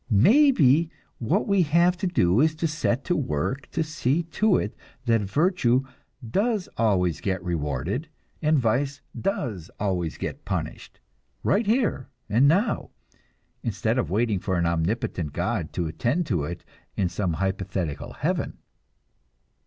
Maybe what we have to do is to set to work to see to it that virtue does always get rewarded and vice does always get punished, right here and now, instead of waiting for an omnipotent God to attend to it in some hypothetical heaven.